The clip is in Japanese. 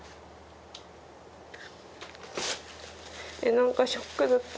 なんかショックだった。